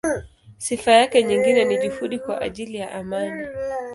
Sifa yake nyingine ni juhudi kwa ajili ya amani.